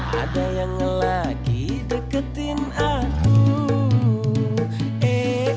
ada yang lagi deketin aku eh